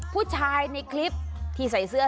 ผู้ชายในคลิปที่ใส่เสื้อ